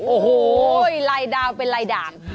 โอ้โหลายดาวเป็นลายด่าง